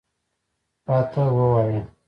راته ووایه.